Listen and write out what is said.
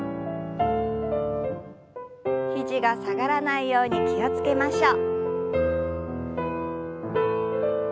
肘が下がらないように気を付けましょう。